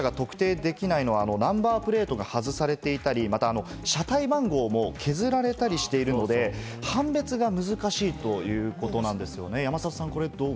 所有者が見つからないのはナンバープレートが外されていたり、車体番号も削られたりしているので、判別が難しいものもあるということなんですね、山里さん。